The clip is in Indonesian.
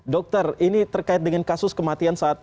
dokter ini terkait dengan kasus kematian saat